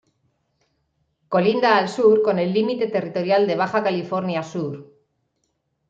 Colinda al sur con el límite territorial de Baja California Sur.